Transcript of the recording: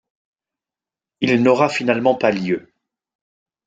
Il n'aura finalement pas lieu.